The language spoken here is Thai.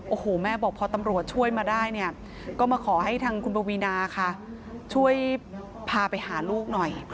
โอ้โหแม่บอกพอตำรวจช่วยมาได้เนี่ยก็มาขอให้ทางคุณปวีนาค่ะช่วยพาไปหาลูกหน่อย